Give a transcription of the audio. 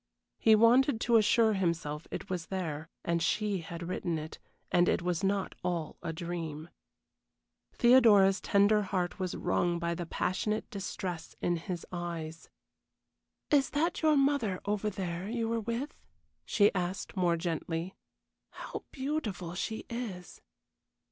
He wanted to assure himself it was there, and she had written it and it was not all a dream. Theodora's tender heart was wrung by the passionate distress in his eyes. "Is that your mother over there you were with?" she asked, more gently. "How beautiful she is!"